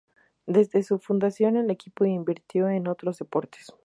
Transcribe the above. Desde su fundación el equipo invirtió en otros deportes.